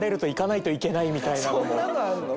そんなのあるの？